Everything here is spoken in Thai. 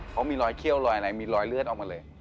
เขามีรอยเขี้ยวรอยอะไรมีรอยเลือดออกมาเลย